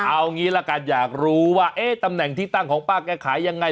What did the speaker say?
เอางี้ละกันอยากรู้ว่าตำแหน่งที่ตั้งของป้าแกขายยังไง